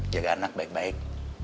jaga anak baik baik